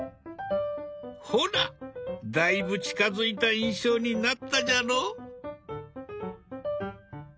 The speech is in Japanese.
ほらだいぶ近づいた印象になったじゃろ？